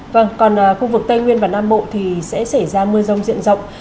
vâng còn khu vực tây nguyên và nam bộ thì sẽ xảy ra mưa rông diện rộng